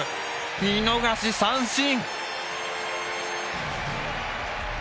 見逃し三振！